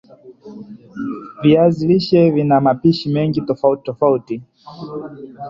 Viazi lishe vina mapishi mengi tofauti tofauti